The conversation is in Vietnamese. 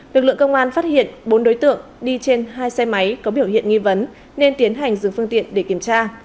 lực lượng công an phát hiện bốn đối tượng đi trên hai xe máy có biểu hiện nghi vấn nên tiến hành dừng phương tiện để kiểm tra